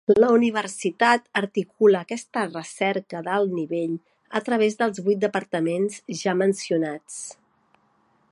La Universitat articula aquesta recerca d’alt nivell a través dels vuit departaments ja mencionats.